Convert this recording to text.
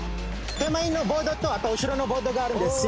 手前のボードとあと後ろのボードがあるんですよ。